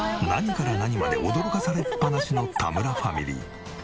何から何まで驚かされっぱなしの田村ファミリー。